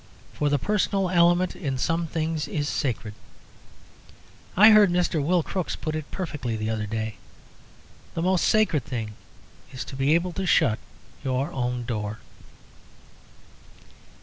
For the personal element in some things is sacred. I heard Mr. Will Crooks put it perfectly the other day: "The most sacred thing is to be able to shut your own door."